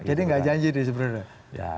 jadi enggak janji di sebenarnya